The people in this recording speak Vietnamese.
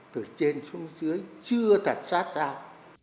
từ trên xuống dưới chưa thật sát sao